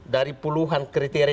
dari puluhan kriteria